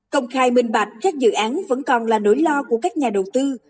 công khai minh bạch các dự án vẫn còn là nỗi lo của các nhà đầu tư